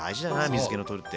水けをとるって。